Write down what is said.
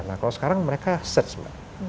nah kalau sekarang mereka search mbak